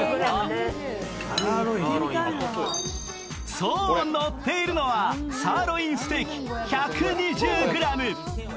そう、のっているのはサーロインステーキ１２０ｇ。